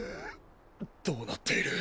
どうなっている？